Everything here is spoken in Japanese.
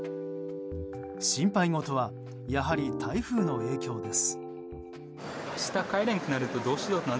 心配事はやはり台風の影響です。